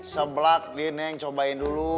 sebelak neng cobain dulu